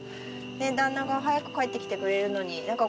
旦那が早く帰ってきてくれるのになんか。